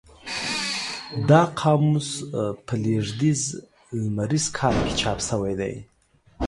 دا قاموس په لېږدیز لمریز کال کې چاپ شوی دی.